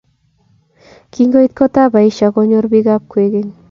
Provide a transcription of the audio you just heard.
Kingoit kotab Aisha konyor bikap kwekeny